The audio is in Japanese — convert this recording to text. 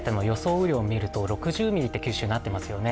雨量を見ると、九州は６０ミリとなっていますよね。